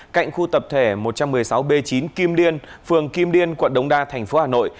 cạnh khu tập thể một trăm một mươi sáu b chín kim liên phường kim liên quận đống đa thành phố hà nội